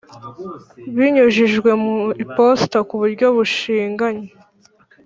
Binyujijwe mu iposita ku buryo bushinganye